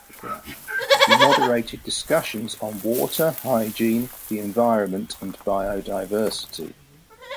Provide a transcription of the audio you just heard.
He moderated discussions on water, hygiene, the environment and biodiversity.